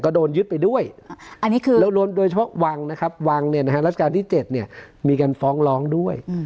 ก็โดนยึดไปด้วยอันนี้คือแล้วโดยเฉพาะวังนะครับวังเนี่ยนะฮะรัชกาลที่๗เนี่ยมีการฟ้องร้องด้วย